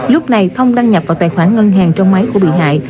lúc này thông đăng nhập vào tài khoản ngân hàng trong máy của bị hại